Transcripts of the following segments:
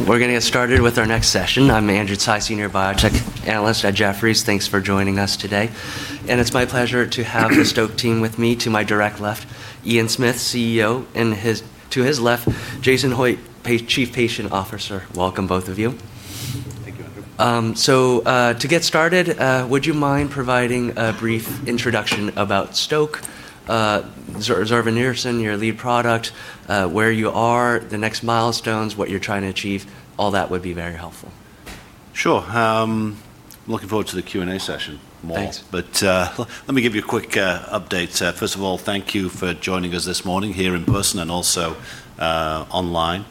We're going to get started with our next session. I'm Andrew Tsai, Senior Biotech Analyst at Jefferies. Thanks for joining us today. It's my pleasure to have the Stoke team with me. To my direct left, Ian Smith, CEO, and to his left, Jason Hoitt, Chief Patient Officer. Welcome, both of you. Thank you, Andrew. To get started, would you mind providing a brief introduction about Stoke, zorevunersen, your lead product, where you are, the next milestones, what you're trying to achieve? All that would be very helpful. Sure. I'm looking forward to the Q&A session more. Thanks. Let me give you a quick update. First of all, thank you for joining us this morning here in person and also online.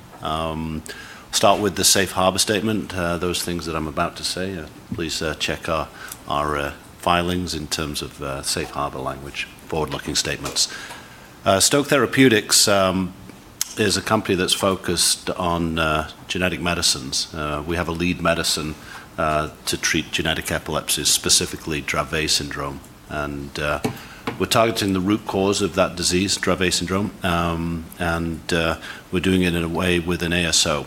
Start with the safe harbor statement. Those things that I'm about to say, please check our filings in terms of safe harbor language, forward-looking statements. Stoke Therapeutics is a company that's focused on genetic medicines. We have a lead medicine to treat genetic epilepsies, specifically Dravet syndrome. We're targeting the root cause of that disease, Dravet syndrome, and we're doing it in a way with an ASO.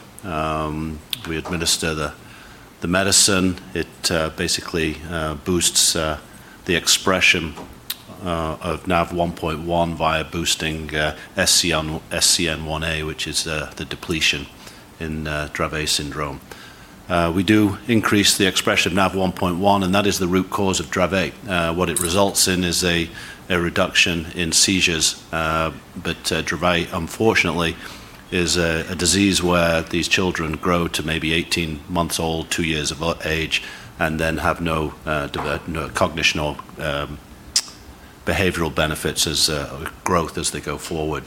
We administer the medicine. It basically boosts the expression of NaV1.1 via boosting SCN1A, which is the depletion in Dravet syndrome. We do increase the expression of NaV1.1, and that is the root cause of Dravet. What it results in is a reduction in seizures. Dravet, unfortunately, is a disease where these children grow to maybe 18 months old, two years of age, and then have no cognitive or behavioral benefits as growth as they go forward.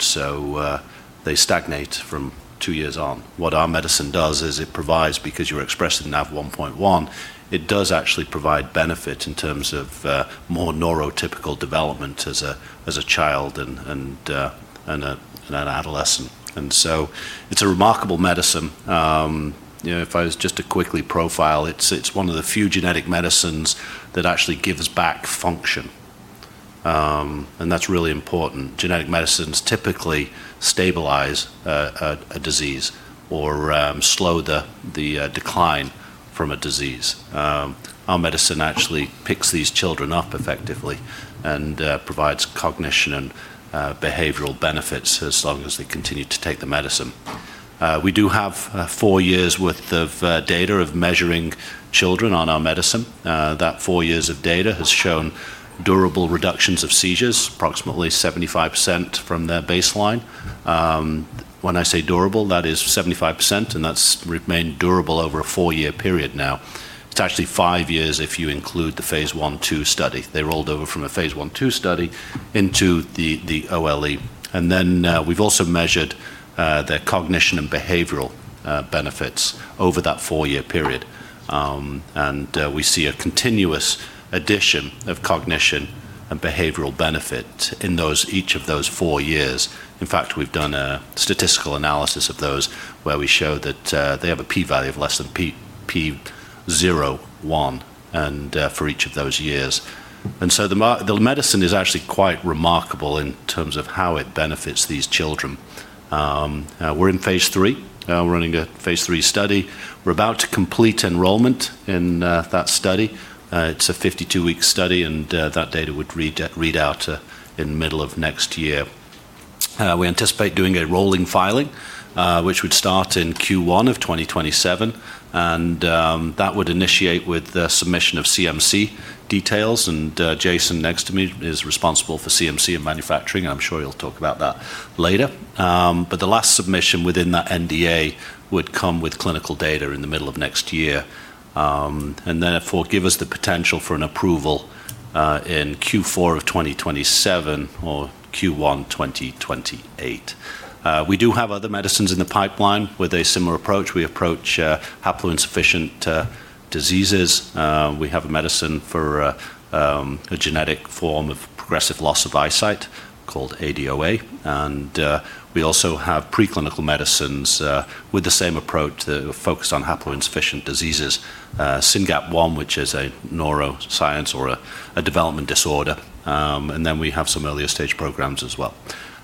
They stagnate from two years on. What our medicine does is it provides, because you're expressing NaV1.1, it does actually provide benefit in terms of more neurotypical development as a child and an adolescent. It's a remarkable medicine. If I was just to quickly profile, it's one of the few genetic medicines that actually gives back function, and that's really important. Genetic medicines typically stabilize a disease or slow the decline from a disease. Our medicine actually picks these children up effectively and provides cognition and behavioral benefits as long as they continue to take the medicine. We do have four years worth of data of measuring children on our medicine. That four years of data has shown durable reductions of seizures, approximately 75% from their baseline. When I say durable, that is 75%, and that's remained durable over a four-year period now. It's actually five years if you include the phase I/II study. They rolled over from a phase I/II study into the OLE. We've also measured their cognition and behavioral benefits over that four-year period, and we see a continuous addition of cognition and behavioral benefit in each of those four years. In fact, we've done a statistical analysis of those where we show that they have a P value of less than 0.01, for each of those years. The medicine is actually quite remarkable in terms of how it benefits these children. We're in phase III. We're running a phase III study. We're about to complete enrollment in that study. It's a 52-week study, that data would read out in middle of next year. We anticipate doing a rolling filing, which would start in Q1 of 2027, that would initiate with the submission of CMC details. Jason, next to me, is responsible for CMC and manufacturing, and I'm sure he'll talk about that later. The last submission within that NDA would come with clinical data in the middle of next year, and therefore give us the potential for an approval in Q4 of 2027 or Q1 2028. We do have other medicines in the pipeline with a similar approach. We approach haploinsufficient diseases. We have a medicine for a genetic form of progressive loss of eyesight called ADOA. We also have preclinical medicines with the same approach that focus on haploinsufficient diseases, SYNGAP1, which is a neuroscience or a development disorder. We have some earlier stage programs as well.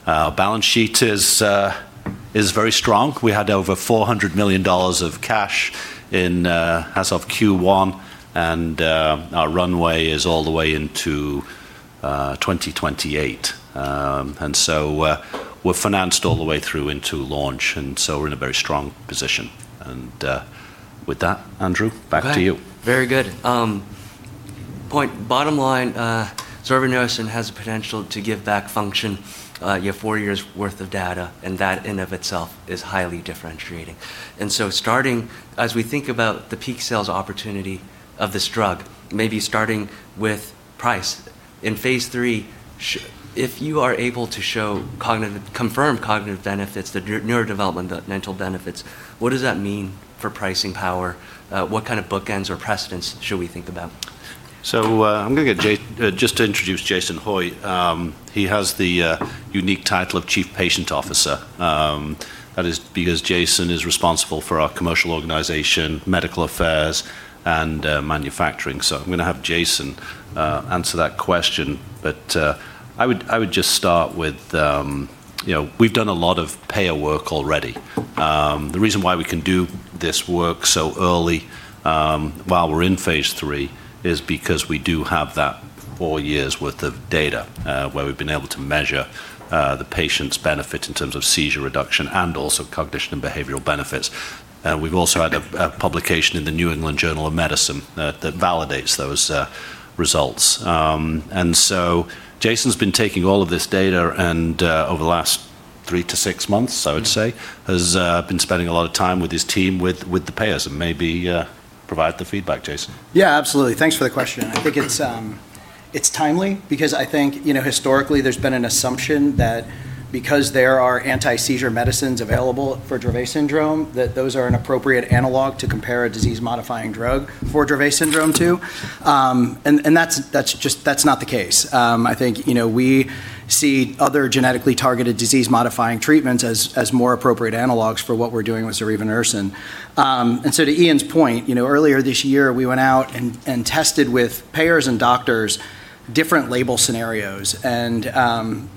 Our balance sheet is very strong. We had over $400 million of cash as of Q1, and our runway is all the way into 2028. We're financed all the way through into launch, and so we're in a very strong position. With that, Andrew, back to you. Okay. Very good. Bottom line, zorevunersen has the potential to give back function. You have four years worth of data, and that in of itself is highly differentiating. Starting as we think about the peak sales opportunity of this drug, maybe starting with price. In phase III, if you are able to confirm cognitive benefits, the neurodevelopmental benefits, what does that mean for pricing power? What kind of bookends or precedents should we think about? I'm going to get Jason, just to introduce Jason Hoitt. He has the unique title of Chief Patient Officer. That is because Jason is responsible for our commercial organization, medical affairs, and manufacturing. I'm going to have Jason answer that question. I would just start with. We've done a lot of payer work already. The reason why we can do this work so early while we're in phase III is because we do have that four years worth of data, where we've been able to measure the patient's benefit in terms of seizure reduction and also cognition and behavioral benefits. We've also had a publication in The New England Journal of Medicine that validates those results. Jason's been taking all of this data and over the last three to six months, I would say, has been spending a lot of time with his team, with the payers, and maybe provide the feedback, Jason. Yeah, absolutely. Thanks for the question. I think it's timely because I think historically there's been an assumption that because there are anti-seizure medicines available for Dravet syndrome, that those are an appropriate analog to compare a disease-modifying drug for Dravet syndrome too. That's not the case. I think we see other genetically targeted disease-modifying treatments as more appropriate analogs for what we're doing with zorevunersen. So to Ian's point, earlier this year we went out and tested with payers and doctors different label scenarios and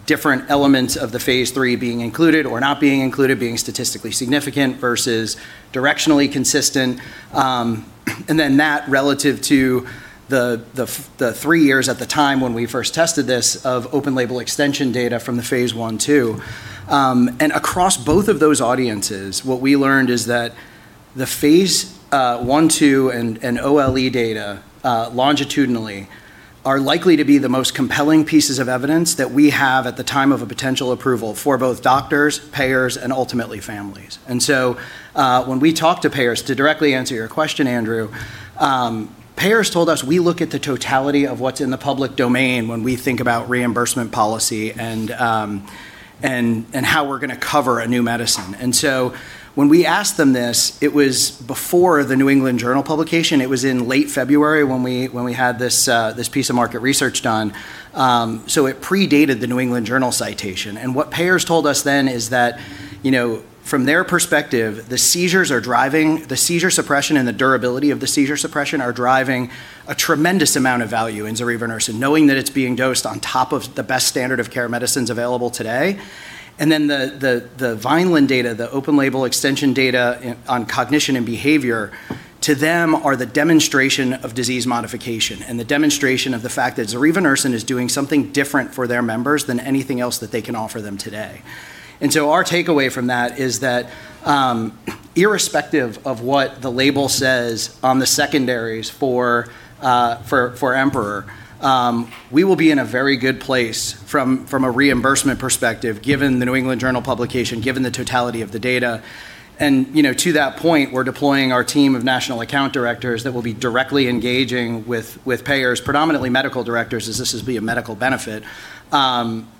different elements of the phase III being included or not being included, being statistically significant versus directionally consistent. That relative to the three years at the time when we first tested this of open label extension data from the phase I/II. Across both of those audiences, what we learned is that the phase I/II and OLE data longitudinally are likely to be the most compelling pieces of evidence that we have at the time of a potential approval for both doctors, payers, and ultimately families. When we talk to payers, to directly answer your question, Andrew, payers told us we look at the totality of what's in the public domain when we think about reimbursement policy and how we're going to cover a new medicine. When we asked them this, it was before "The New England Journal" publication. It was in late February when we had this piece of market research done. It predated "The New England Journal" citation. What payers told us then is that from their perspective, the seizure suppression and the durability of the seizure suppression are driving a tremendous amount of value in zorevunersen, knowing that it's being dosed on top of the best standard of care medicines available today. Then the Vineland data, the open label extension data on cognition and behavior to them are the demonstration of disease modification and the demonstration of the fact that zorevunersen is doing something different for their members than anything else that they can offer them today. Our takeaway from that is that irrespective of what the label says on the secondaries for EMPEROR, we will be in a very good place from a reimbursement perspective, given "The New England Journal of Medicine" publication, given the totality of the data. To that point, we're deploying our team of national account directors that will be directly engaging with payers, predominantly medical directors, as this will be a medical benefit,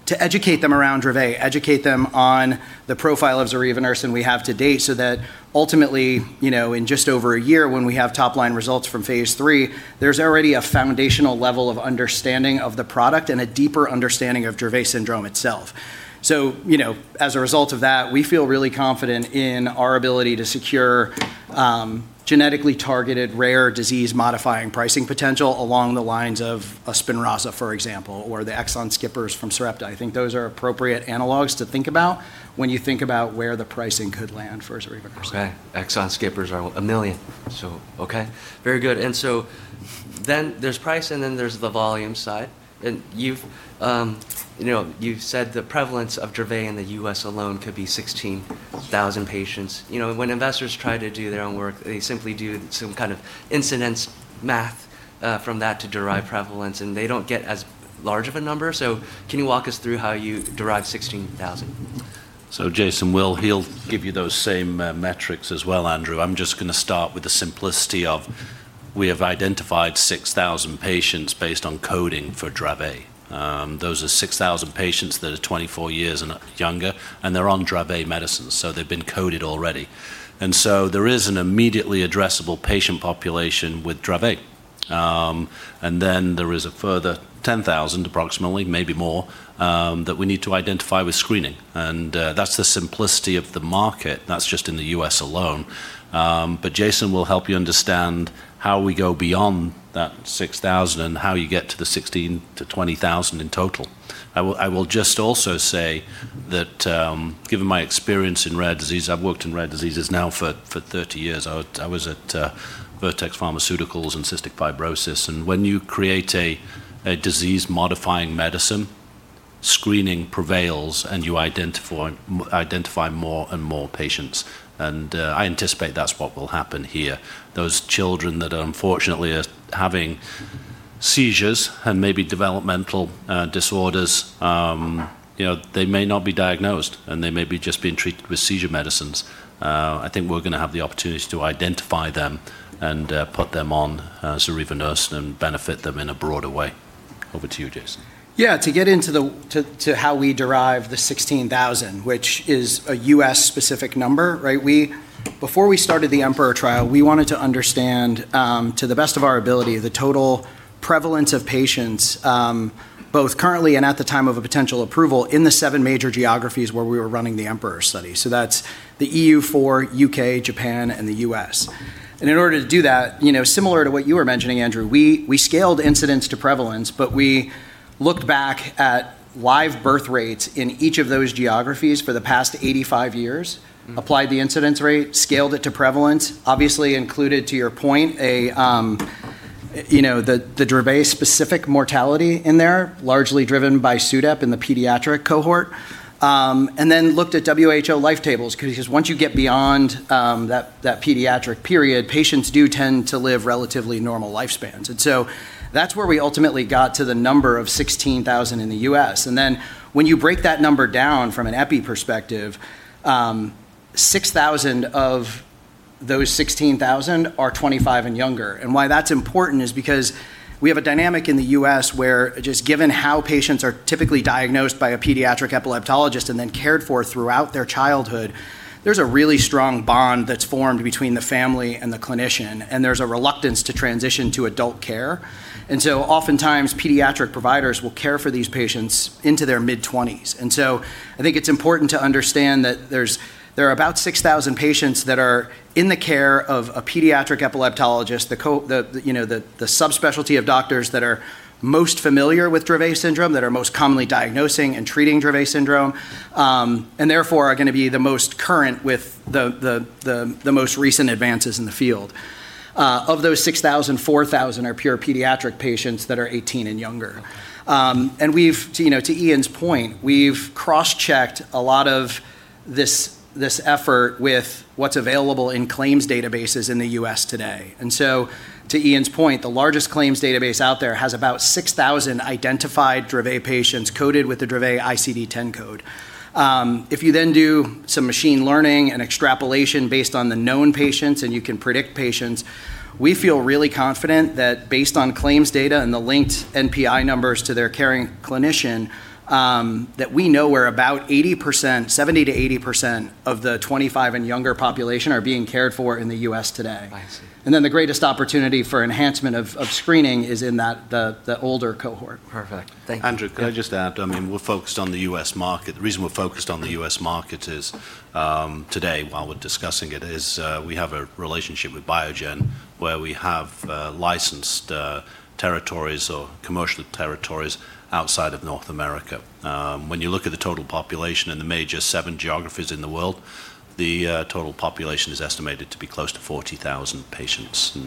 to educate them around Dravet, educate them on the profile of zorevunersen we have to date so that ultimately, in just over a year when we have top-line results from phase III, there's already a foundational level of understanding of the product and a deeper understanding of Dravet syndrome itself. As a result of that, we feel really confident in our ability to secure genetically targeted rare disease modifying pricing potential along the lines of a Spinraza, for example, or the exon skippers from Sarepta. I think those are appropriate analogs to think about when you think about where the pricing could land for zorevunersen. Exon skippers are $1 million. Very good. There's price and then there's the volume side. You've said the prevalence of Dravet in the U.S. alone could be 16,000 patients. When investors try to do their own work, they simply do some kind of incidence math from that to derive prevalence, and they don't get as large of a number. Can you walk us through how you derive 16,000? Jason will. He'll give you those same metrics as well, Andrew. I'm just going to start with the simplicity of we have identified 6,000 patients based on coding for Dravet. Those are 6,000 patients that are 24 years and younger, and they're on Dravet medicines, so they've been coded already. There is an immediately addressable patient population with Dravet. There is a further 10,000 approximately, maybe more, that we need to identify with screening. That's the simplicity of the market. That's just in the U.S. alone. Jason will help you understand how we go beyond that 6,000 and how you get to the 16,000-20,000 in total. I will just also say that given my experience in rare disease, I've worked in rare diseases now for 30 years. I was at Vertex Pharmaceuticals and cystic fibrosis. When you create a disease-modifying medicine, screening prevails and you identify more and more patients. I anticipate that's what will happen here. Those children that unfortunately are having seizures and maybe developmental disorders, they may not be diagnosed, and they may be just being treated with seizure medicines. I think we're going to have the opportunities to identify them and put them on zorevunersen and benefit them in a broader way. Over to you, Jason. To get into how we derive the 16,000, which is a U.S.-specific number, right? Before we started the EMPEROR trial, we wanted to understand, to the best of our ability, the total prevalence of patients both currently and at the time of a potential approval in the seven major geographies where we were running the EMPEROR study. That's the EU4, U.K., Japan, and the U.S. In order to do that, similar to what you were mentioning, Andrew, we scaled incidence to prevalence, but we looked back at live birth rates in each of those geographies for the past 85 years, applied the incidence rate, scaled it to prevalence, obviously included, to your point, the Dravet specific mortality in there, largely driven by SUDEP in the pediatric cohort. Then looked at WHO life tables, because once you get beyond that pediatric period, patients do tend to live relatively normal lifespans. So that's where we ultimately got to the number of 16,000 in the U.S. Then when you break that number down from an epi perspective, 6,000 of those 16,000 are 25 and younger. Why that's important is because we have a dynamic in the U.S. where just given how patients are typically diagnosed by a pediatric epileptologist and then cared for throughout their childhood, there's a really strong bond that's formed between the family and the clinician, and there's a reluctance to transition to adult care. So oftentimes, pediatric providers will care for these patients into their mid-20s. I think it's important to understand that there are about 6,000 patients that are in the care of a pediatric epileptologist, the subspecialty of doctors that are most familiar with Dravet syndrome, that are most commonly diagnosing and treating Dravet syndrome, and therefore are going to be the most current with the most recent advances in the field. Of those 6,000, 4,000 are pure pediatric patients that are 18 and younger. To Ian's point, we've cross-checked a lot of this effort with what's available in claims databases in the U.S. today. To Ian's point, the largest claims database out there has about 6,000 identified Dravet patients coded with the Dravet ICD-10 code. If you do some machine learning and extrapolation based on the known patients, and you can predict patients, we feel really confident that based on claims data and the linked NPI numbers to their caring clinician, that we know where about 70%-80% of the 25 and younger population are being cared for in the U.S. today. I see. The greatest opportunity for enhancement of screening is in the older cohort. Perfect. Thank you. Andrew, can I just add, we're focused on the U.S. market. The reason we're focused on the U.S. market today while we're discussing it is we have a relationship with Biogen where we have licensed territories or commercial territories outside of North America. When you look at the total population in the major seven geographies in the world, the total population is estimated to be close to 40,000 patients.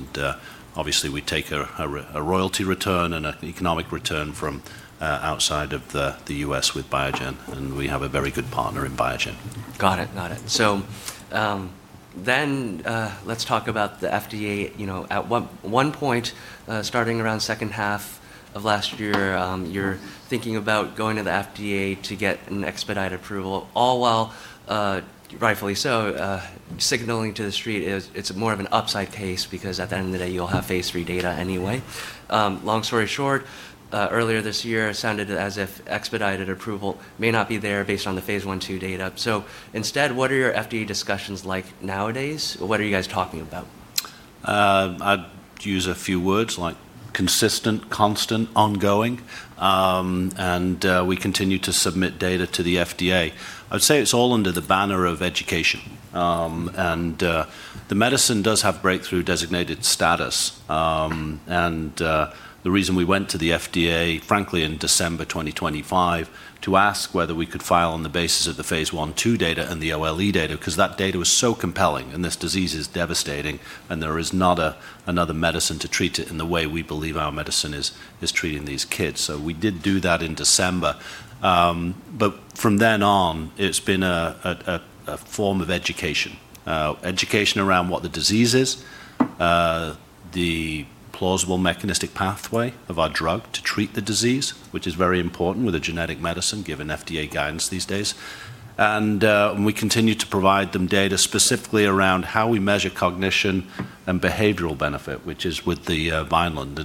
Obviously, we take a royalty return and an economic return from outside of the U.S. with Biogen, and we have a very good partner in Biogen. Got it. Let's talk about the FDA. At one point, starting around second half of last year, you're thinking about going to the FDA to get an expedited approval, all while, rightfully so, signaling to the street it's more of an upside case because at the end of the day, you'll have phase III data anyway. Long story short, earlier this year, it sounded as if expedited approval may not be there based on the phase I/II data. Instead, what are your FDA discussions like nowadays? What are you guys talking about? I'd use a few words like consistent, constant, ongoing. We continue to submit data to the FDA. I would say it's all under the banner of education. The medicine does have breakthrough designated status. The reason we went to the FDA, frankly, in December 2025, to ask whether we could file on the basis of the phase I/II data and the OLE data, because that data was so compelling, and this disease is devastating, and there is not another medicine to treat it in the way we believe our medicine is treating these kids. We did do that in December. From then on, it's been a form of education. Education around what the disease is, the plausible mechanistic pathway of our drug to treat the disease, which is very important with a genetic medicine given FDA guidance these days. We continue to provide them data specifically around how we measure cognition and behavioral benefit, which is with the Vineland.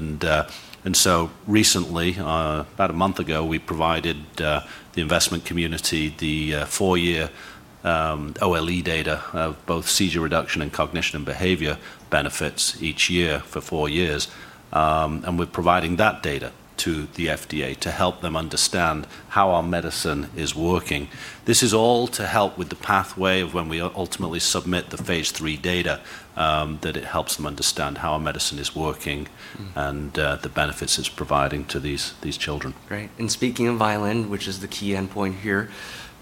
Recently, about a month ago, we provided the investment community the four-year OLE data of both seizure reduction and cognition and behavior benefits each year for four years. We're providing that data to the FDA to help them understand how our medicine is working. This is all to help with the pathway of when we ultimately submit the phase III data, that it helps them understand how our medicine is working and the benefits it's providing to these children. Great. Speaking of Vineland, which is the key endpoint here,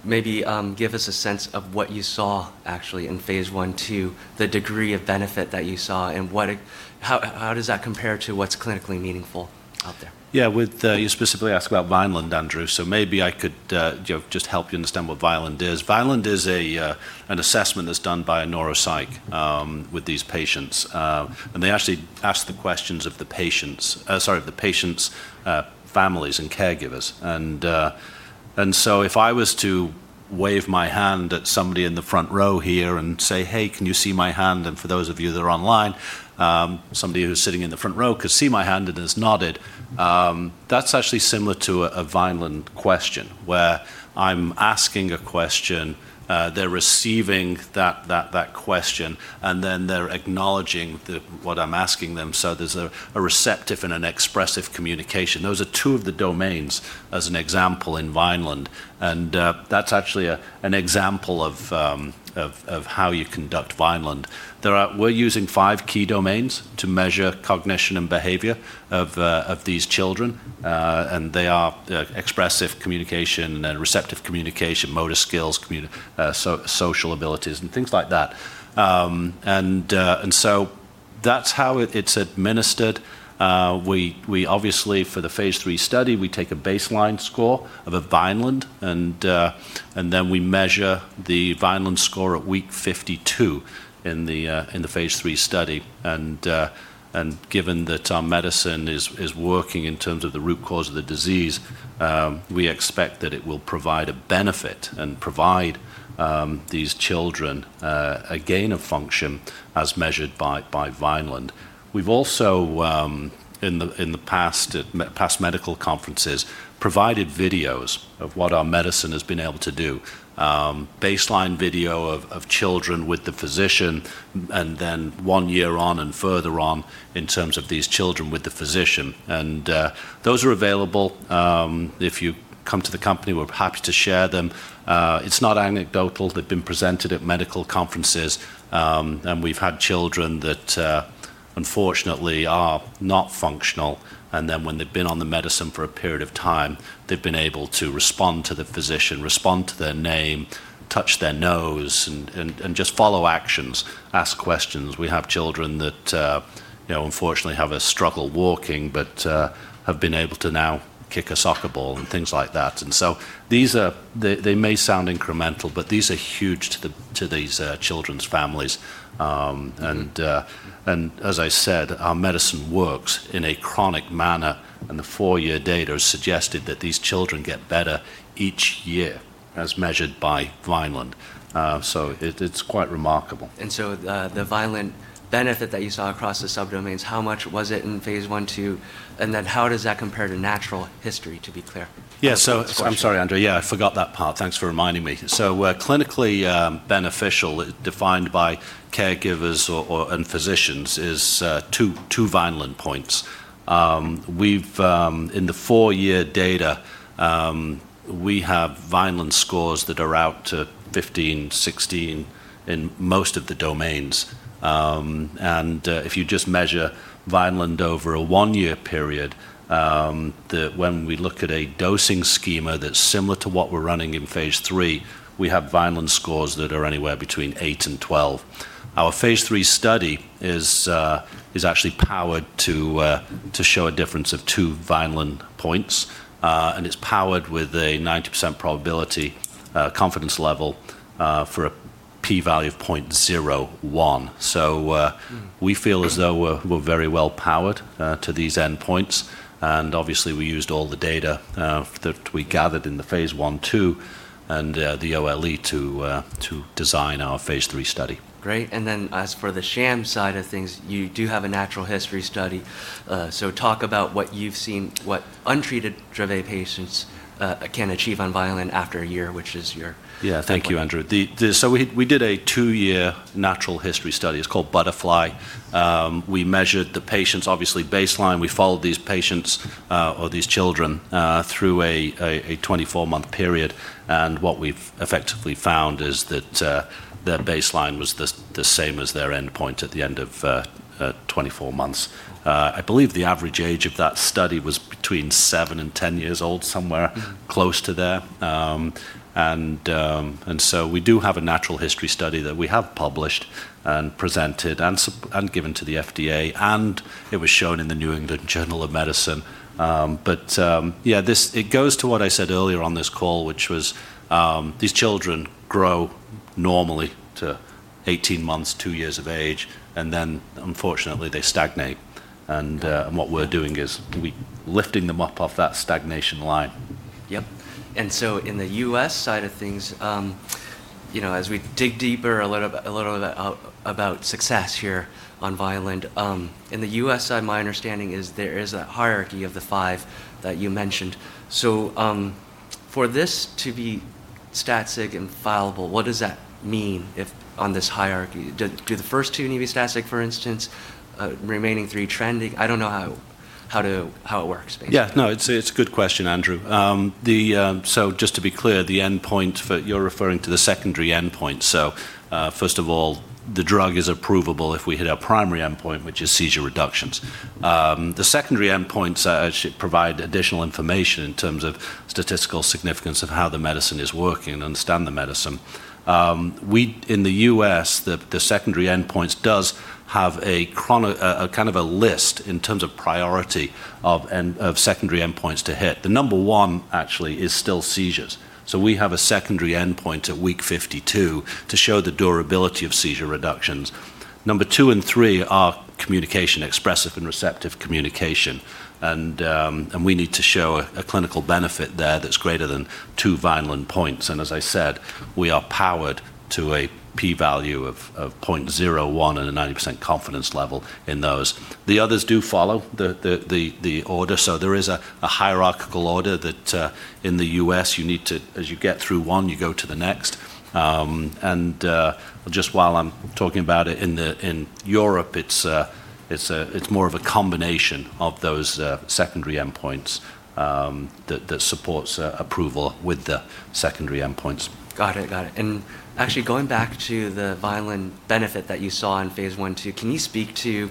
maybe give us a sense of what you saw actually in phase I/II, the degree of benefit that you saw, and how does that compare to what's clinically meaningful out there? Yeah. You specifically asked about Vineland, Andrew, so maybe I could just help you understand what Vineland is. Vineland is an assessment that's done by a neuropsych with these patients. They actually ask the questions of the patients' families and caregivers. If I was to wave my hand at somebody in the front row here and say, "Hey, can you see my hand?" For those of you that are online, somebody who's sitting in the front row could see my hand and has nodded. That's actually similar to a Vineland question, where I'm asking a question, they're receiving that question, and then they're acknowledging what I'm asking them. There's a receptive and an expressive communication. Those are two of the domains as an example in Vineland, and that's actually an example of how you conduct Vineland. We're using five key domains to measure cognition and behavior of these children. They are expressive communication and receptive communication, motor skills, social abilities, and things like that. That's how it's administered. Obviously, for the phase III study, we take a baseline score of a Vineland, and then we measure the Vineland score at week 52 in the phase III study. Given that our medicine is working in terms of the root cause of the disease, we expect that it will provide a benefit and provide these children a gain of function as measured by Vineland. We've also, in the past medical conferences, provided videos of what our medicine has been able to do. Baseline video of children with the physician, and then one year on and further on in terms of these children with the physician. Those are available. If you come to the company, we're happy to share them. It's not anecdotal. They've been presented at medical conferences. We've had children that, unfortunately, are not functional, and then when they've been on the medicine for a period of time, they've been able to respond to the physician, respond to their name, touch their nose, and just follow actions, ask questions. We have children that unfortunately struggle walking but have been able to now kick a soccer ball and things like that. They may sound incremental, but these are huge to these children's families. As I said, our medicine works in a chronic manner, and the four-year data has suggested that these children get better each year as measured by Vineland. It's quite remarkable. The Vineland benefit that you saw across the subdomains, how much was it in phase I/II, and then how does that compare to natural history, to be clear? I'm sorry, Andrew. I forgot that part. Thanks for reminding me. Clinically beneficial, defined by caregivers or/and physicians, is two Vineland points. In the four-year data, we have Vineland scores that are out to 15, 16 in most of the domains. If you just measure Vineland over a one-year period, when we look at a dosing schema that's similar to what we're running in phase III, we have Vineland scores that are anywhere between eight and 12. Our phase III study is actually powered to show a difference of two Vineland points. It's powered with a 90% probability confidence level for a P value of 0.01. We feel as though we're very well powered to these endpoints. Obviously, we used all the data that we gathered in the phase I/II and the OLE to design our phase III study. Great. As for the sham side of things, you do have a natural history study. Talk about what you've seen, what untreated Dravet patients can achieve on Vineland after a year, which is your? Thank you, Andrew. We did a two-year natural history study. It's called BUTTERFLY. We measured the patients, obviously baseline. We followed these patients, or these children, through a 24-month period. What we've effectively found is that their baseline was the same as their endpoint at the end of 24 months. I believe the average age of that study was between seven and 10 years old, somewhere close to there. We do have a natural history study that we have published and presented and given to the FDA, and it was shown in The New England Journal of Medicine. Yeah, it goes to what I said earlier on this call, which was these children grow normally to 18 months, two years of age, and then unfortunately, they stagnate. What we're doing is we're lifting them up off that stagnation line. Yep. In the U.S. side of things, as we dig deeper a little about success here on Vineland. In the U.S. side, my understanding is there is a hierarchy of the five that you mentioned. For this to be statistic and fileable, what does that mean on this hierarchy? Do the first two need to be stat sig, for instance? Remaining three trending? I don't know how it works, basically. No, it's a good question, Andrew. Just to be clear, you're referring to the secondary endpoint. First of all, the drug is approvable if we hit our primary endpoint, which is seizure reductions. The secondary endpoints actually provide additional information in terms of statistical significance of how the medicine is working and understand the medicine. In the U.S., the secondary endpoints does have a kind of a list in terms of priority of secondary endpoints to hit. The number one actually is still seizures. We have a secondary endpoint at week 52 to show the durability of seizure reductions. Number two and three are communication, expressive and receptive communication. We need to show a clinical benefit there that's greater than two Vineland points. As I said, we are powered to a P value of 0.01 and a 90% confidence level in those. The others do follow the order. There is a hierarchical order that in the U.S. you need to, as you get through one, you go to the next. Just while I'm talking about it, in Europe, it's more of a combination of those secondary endpoints that supports approval with the secondary endpoints. Got it. Actually going back to the Vineland benefit that you saw in phase I/II, can you speak to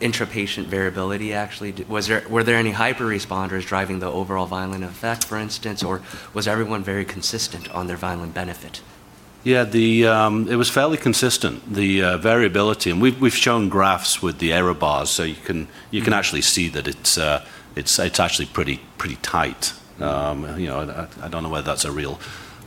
intra-patient variability, actually. Were there any hyper-responders driving the overall Vineland effect, for instance? Was everyone very consistent on their Vineland benefit? Yeah, it was fairly consistent, the variability. We've shown graphs with the error bars, so you can actually see that it's actually pretty tight. I don't know whether that's a real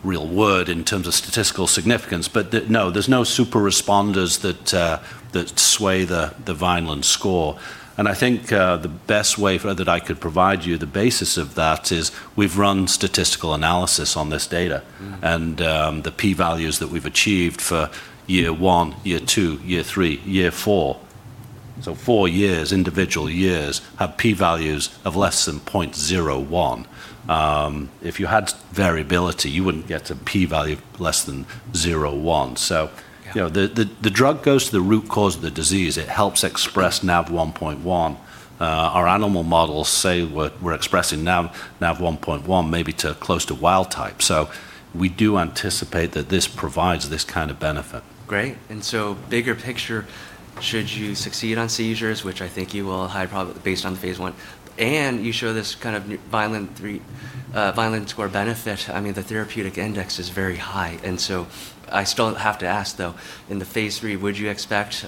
word in terms of statistical significance. No, there's no super responders that sway the Vineland score. I think the best way that I could provide you the basis of that is we've run statistical analysis on this data. The P values that we've achieved for year one, year two, year three, year four, so four years, individual years, have P values of less than 0.01. If you had variability, you wouldn't get to P value less than 0.01. Yeah. The drug goes to the root cause of the disease. It helps express NaV1.1. Our animal models say we're expressing NaV1.1 maybe to close to wild type. We do anticipate that this provides this kind of benefit. Great. Bigger picture, should you succeed on seizures, which I think you will high probability based on the phase I, and you show this kind of Vineland score benefit, the therapeutic index is very high. I still have to ask, though, in the phase III, would you expect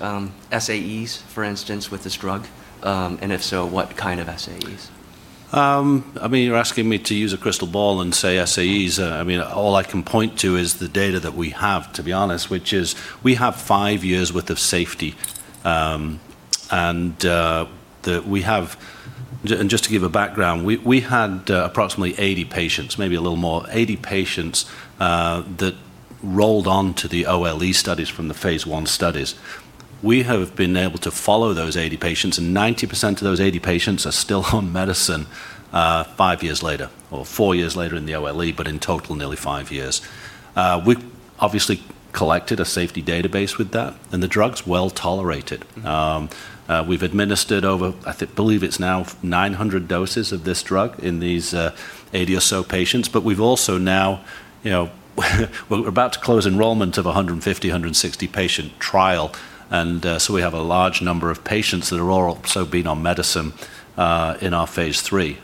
SAEs, for instance, with this drug? And if so, what kind of SAEs? You're asking me to use a crystal ball and say SAEs. All I can point to is the data that we have, to be honest, which is we have five years' worth of safety. Just to give a background, we had approximately 80 patients, maybe a little more, 80 patients that rolled on to the OLE studies from the phase I studies. We have been able to follow those 80 patients, 90% of those 80 patients are still on medicine five years later, or four years later in the OLE, but in total, nearly five years. We've obviously collected a safety database with that, the drug's well-tolerated. We've administered over, I believe it's now 900 doses of this drug in these 80 or so patients. We're about to close enrollment of 150, 160-patient trial, and so we have a large number of patients that have also been on medicine in our phase III.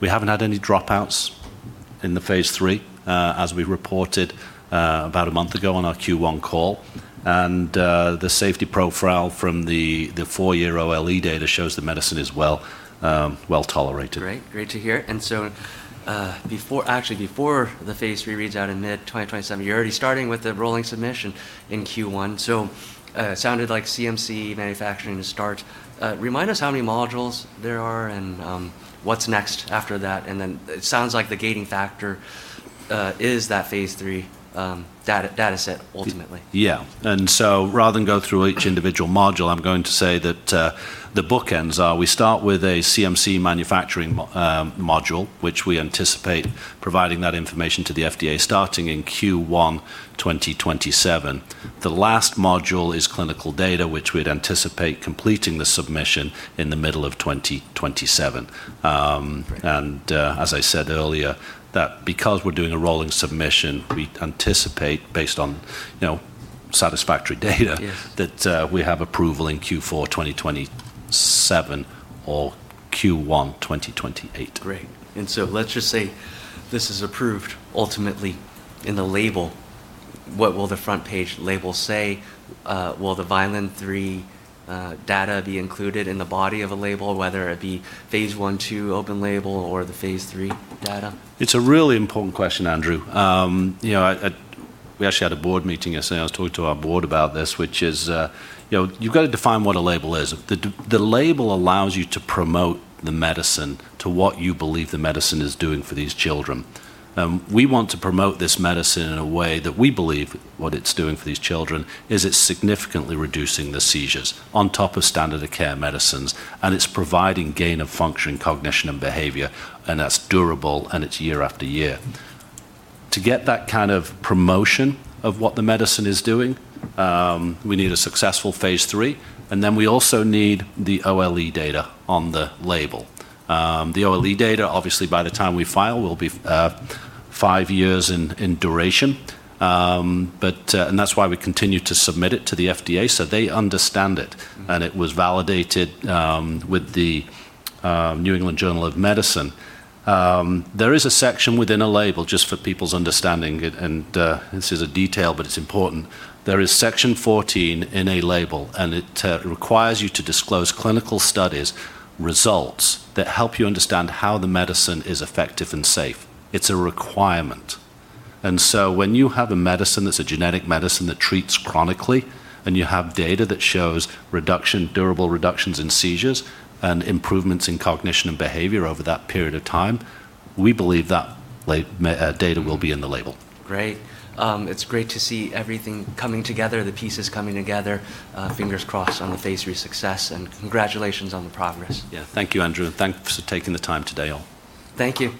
We haven't had any dropouts in the phase III, as we reported about a month ago on our Q1 call. The safety profile from the four-year OLE data shows the medicine is well tolerated. Great. Great to hear. Actually before the phase III reads out in mid-2027, you're already starting with the rolling submission in Q1. Sounded like CMC manufacturing to start. Remind us how many modules there are, and what's next after that, and then it sounds like the gating factor is that phase III dataset ultimately. Yeah. Rather than go through each individual module, I'm going to say that the bookends are we start with a CMC manufacturing module, which we anticipate providing that information to the FDA starting in Q1 2027. The last module is clinical data, which we'd anticipate completing the submission in the middle of 2027. Great. As I said earlier, that because we're doing a rolling submission, we anticipate, based on satisfactory data. Yes. That we have approval in Q4 2027 or Q1 2028. Great. Let's just say this is approved ultimately in the label, what will the front page label say? Will the Vineland-3 data be included in the body of a label, whether it be phase I/II open label or the phase III data? It's a really important question, Andrew. We actually had a board meeting yesterday. I was talking to our board about this, which is you've got to define what a label is. The label allows you to promote the medicine to what you believe the medicine is doing for these children. We want to promote this medicine in a way that we believe what it's doing for these children is it's significantly reducing the seizures on top of standard of care medicines, and it's providing gain of function, cognition, and behavior, and that's durable, and it's year after year. To get that kind of promotion of what the medicine is doing, we need a successful phase III, and then we also need the OLE data on the label. The OLE data, obviously by the time we file, will be five years in duration. That's why we continue to submit it to the FDA, so they understand it, and it was validated with The New England Journal of Medicine. There is a section within a label just for people's understanding, and this is a detail, but it's important. There is Section 14 in a label, and it requires you to disclose clinical studies results that help you understand how the medicine is effective and safe. It's a requirement. When you have a medicine that's a genetic medicine that treats chronically, and you have data that shows durable reductions in seizures and improvements in cognition and behavior over that period of time, we believe that data will be in the label. Great. It's great to see everything coming together, the pieces coming together. Fingers crossed on the phase III success. Congratulations on the progress. Yeah. Thank you, Andrew, and thanks for taking the time today, all. Thank you.